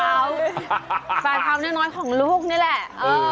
ป่าเท้าป่าเท้านิ้วของลูกนี่แหละ